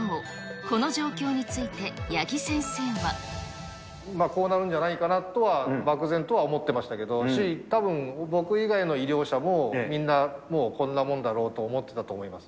この状況について、八木先生は。こうなるんじゃないかなとは、漠然とは思ってましたけど、たぶん僕以外の医療者も、みんな、もうこんなもんだろうと思っていたと思います。